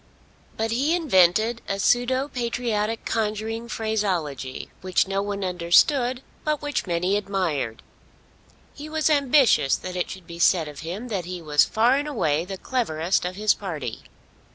But he invented a pseudo patriotic conjuring phraseology which no one understood but which many admired. He was ambitious that it should be said of him that he was far and away the cleverest of his party.